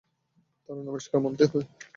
দারুণ আবিষ্কার মানতেই হবে!